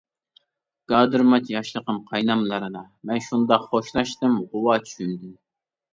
گادىرماچ ياشلىقىم قايناملىرىدا، مەن شۇنداق خوشلاشتىم غۇۋا چۈشۈمدىن.